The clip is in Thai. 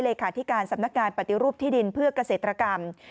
เลขาธิการสำนักงานปฏิรูปที่ดินเพื่อเกษตรกรรม